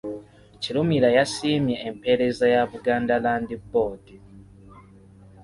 Kirumira yasiimye empeereza ya Buganda Land Board.